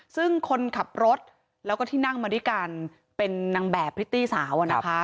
ซึ่งคนขับรถแล้วก็ที่นั่งมาด้วยกันเป็นนางแบบพริตตี้สาว